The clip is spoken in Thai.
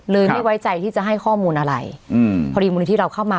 เลยไม่ไว้ใจที่จะให้ข้อมูลอะไรพอดีมูลนี้ที่เราเข้ามา